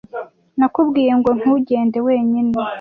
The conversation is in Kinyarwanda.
Nakubwiye ngo ntugende wenyine.